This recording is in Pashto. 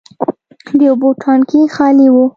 د اوبو ټانکي خالي و.